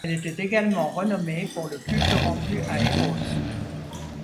Elle était également renommée pour le culte rendu à Éros.